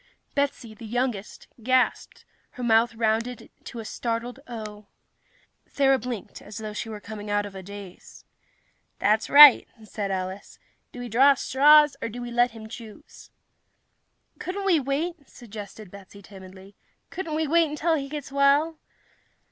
Betsy, the youngest, gasped, and her mouth rounded to a startled O. Thera blinked, as though she were coming out of a daze. "That's right," said Alice. "Do we draw straws, or do we let him choose?" "Couldn't we wait?" suggested Betsy timidly. "Couldn't we wait until he gets well?"